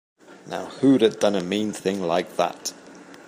Now who'da done a mean thing like that?